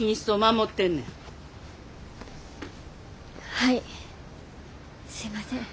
はいすいません。